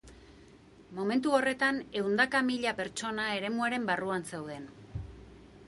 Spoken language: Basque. Momentu horretan ehundaka mila pertsona eremuaren barruan zeuden.